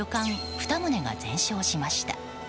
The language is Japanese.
２棟が全焼しました。